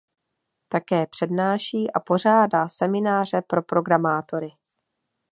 Také přednáší a pořádá semináře pro programátory.